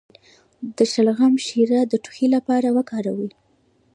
د شلغم شیره د ټوخي لپاره وکاروئ